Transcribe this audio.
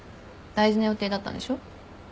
大事な予定だったんでしょ？